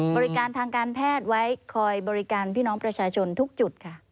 บริการทางการแพทย์ไว้คอยบริการพี่น้องประชาชนทุกจุดค่ะ